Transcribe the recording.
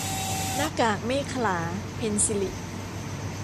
หน้ากากเมขลา - เพ็ญศิริ